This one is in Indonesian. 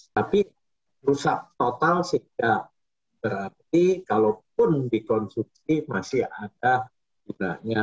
tapi rusak total sehingga berarti kalaupun dikonsumsi masih ada gunanya